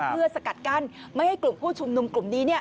เพื่อสกัดกั้นไม่ให้กลุ่มผู้ชุมนุมกลุ่มนี้